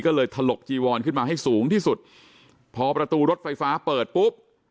ก็เลยถลกจีวอนขึ้นมาให้สูงที่สุดพอประตูรถไฟฟ้าเปิดปุ๊บ